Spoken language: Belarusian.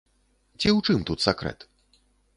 Ці ў чым тут сакрэт?